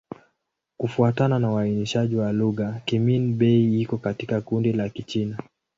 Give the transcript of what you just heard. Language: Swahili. Kufuatana na uainishaji wa lugha, Kimin-Bei iko katika kundi la Kichina.